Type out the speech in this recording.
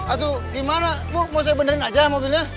aduh gimana bu mau saya benerin aja mobilnya